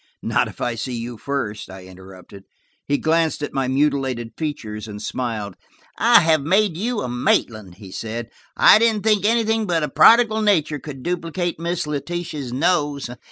"Not if I see you first," I interrupted. He glanced at my mutilated features and smiled. "I have made you a Maitland," he said. "I didn't think that anything but a prodigal Nature could duplicate Miss Letitia's nose!